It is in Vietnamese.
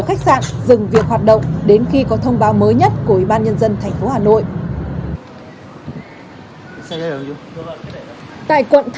khách sạn tqt số một a xq vườn trấn đạo quận phàn kiếm